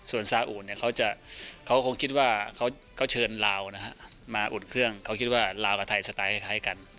ส่วนซาอุเนี่ยเขาคงคิดว่าเขาก็เชิญลาวนะฮะมาอุ่นเครื่องเขาคิดว่าลาวกับไทยสไตล์คล้ายกัน